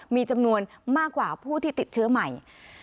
มีจำนวนมากกว่าผู้ที่ติดเชื้อใหม่